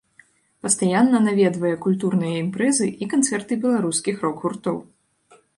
Пастаянна наведвае культурныя імпрэзы і канцэрты беларускіх рок-гуртоў.